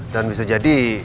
dan bisa jadi